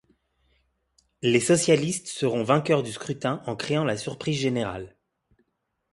Les socialistes seront vainqueurs du scrutin en créant la surprise générale.